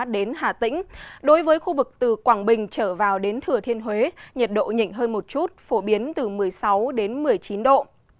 đối với khu vực từ quảng bình trở vào đến thừa thiên huế nhiệt độ nhịn hơn một chút phổ biến từ một mươi sáu đến một mươi chín độ